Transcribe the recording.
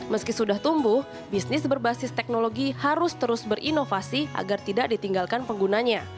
meski sudah tumbuh bisnis berbasis teknologi harus terus berinovasi agar tidak ditinggalkan penggunanya